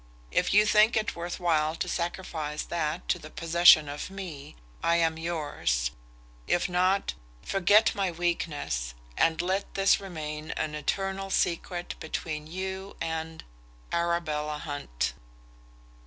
If you think it worth while to sacrifice that to the possession of me, I am yours; if not, forget my weakness, and let this remain an eternal secret between you and "ARABELLA HUNT."